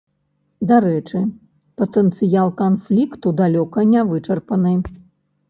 Дарэчы, патэнцыял канфлікту далёка не вычарпаны.